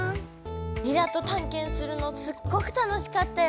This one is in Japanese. リラとたんけんするのすっごく楽しかったよ。